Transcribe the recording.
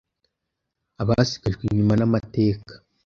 Abasigajwe inyuma n’amateka